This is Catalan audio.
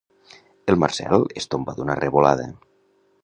El Marcel es tomba d'una revolada.